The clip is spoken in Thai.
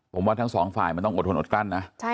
ผมว่าทั้งสองฝ่ายมันต้องอดทนอดกลั้นนะ